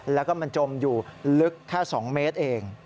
แล้วก็มันจมอยู่ลึกแค่๒เมตรเอง